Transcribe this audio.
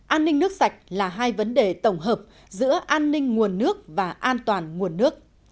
an ninh nước sạch là hai vấn đề tổng hợp giữa an ninh nguồn nước và an toàn nguồn nước